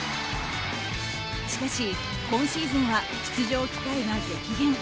しかし今シーズンは出場機会が激減。